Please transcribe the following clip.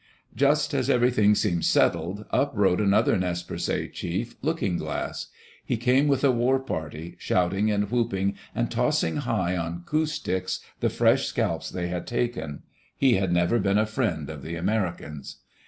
Just as everything seemed settled, up rode another Nez Perces chief, Looking Glass. He came with a war party, shouting and whooping and tossing high on coup sticks the fresh scalps they had taken. He had never been a friend of the Americans.